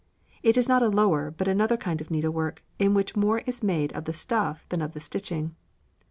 It is not a lower but another kind of needlework in which more is made of the stuff than of the stitching.